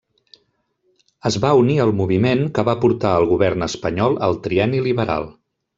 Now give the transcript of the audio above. Es va unir al moviment que va portar al govern espanyol al Trienni liberal.